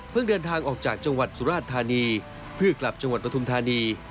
เดินทางออกจากจังหวัดสุราชธานีเพื่อกลับจังหวัดปฐุมธานี